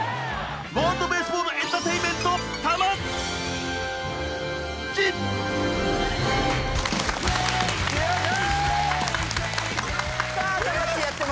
ワールド・ベースボール・エンターテインメントたまッチ！よいしょ。